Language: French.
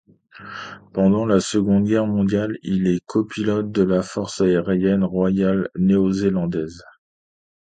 Pendant la Seconde Guerre mondiale, il est copilote dans la force aérienne royale néo-zélandaise.